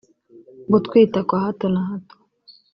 gutwita kwa hato na hato